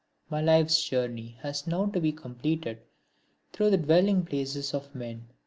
My life's journey has now to be completed through the dwelling places of men.